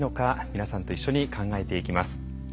皆さんと一緒に考えていきます。